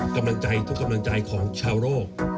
กำลังใจทุกกำลังใจของชาวโลก